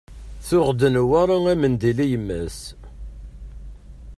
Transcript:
Tuɣ-d Newwara amendil i yemma-s.